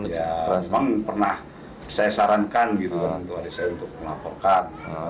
ya memang pernah saya sarankan untuk adik saya untuk melaporkan